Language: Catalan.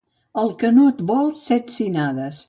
Al que no et vol, set sinades.